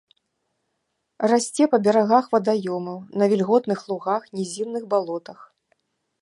Расце па берагах вадаёмаў, на вільготных лугах, нізінных балотах.